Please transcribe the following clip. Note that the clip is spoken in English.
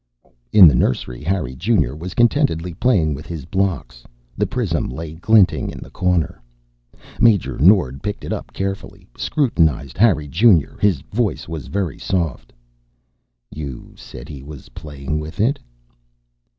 In the nursery, Harry Junior was contentedly playing with his blocks. The prism lay glinting in the corner. Major Nord picked it up carefully, scrutinized Harry Junior. His voice was very soft. "You said he was playing with it?"